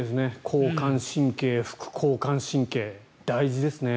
交感神経、副交感神経大事ですね。